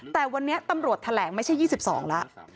แต่วันนี้ตำรวจแถลงไม่ใช่๒๒แล้ว